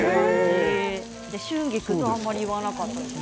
春菊ってあまり言わなかったんですよね。